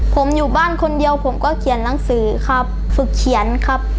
ผมอยู่บ้านคนเดียวผมก็เขียนหนังสือครับฝึกเขียนครับ